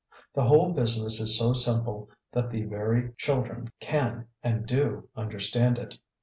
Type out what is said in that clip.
The whole business is so simple that the very children can and do understand it.